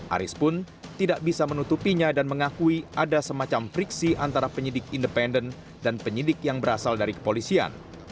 aris pun tidak bisa menutupinya dan mengakui ada semacam friksi antara penyidik independen dan penyidik yang berasal dari kepolisian